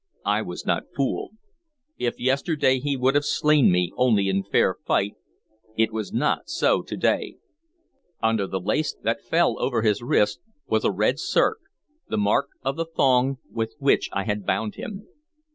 I was not fooled. If yesterday he would have slain me only in fair fight, it was not so to day. Under the lace that fell over his wrist was a red cirque, the mark of the thong with which I had bound him.